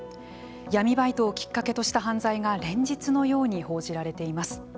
闇バイトをきっかけとした犯罪が連日のように報じられています。